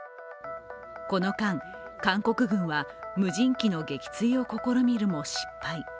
この間、韓国軍は無人機の撃墜を試みるも失敗。